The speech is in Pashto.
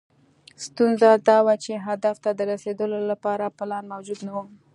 ستونزه دا وه چې هدف ته د رسېدو لپاره پلان موجود نه و.